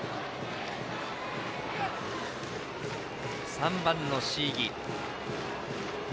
３番の椎木。